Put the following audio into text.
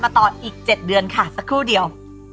ต่ออีก๗เดือนค่ะสักครู่เดียว